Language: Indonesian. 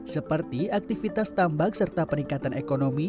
seperti aktivitas tambak serta peningkatan ekonomi